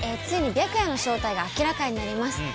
ついに白夜の正体が明らかになります。